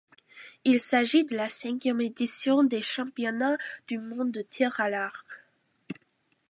Il s'agit de la cinquième édition des championnats du monde de tir à l'arc.